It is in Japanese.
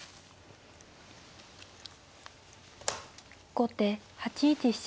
後手８一飛車。